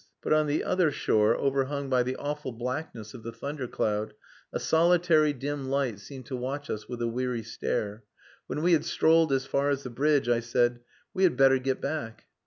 But on the other shore, overhung by the awful blackness of the thunder cloud, a solitary dim light seemed to watch us with a weary stare. When we had strolled as far as the bridge, I said "We had better get back...."